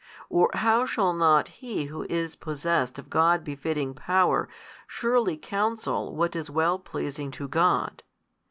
or how shall not He Who is possessed of God befitting Power surely counsel what is well pleasing to God?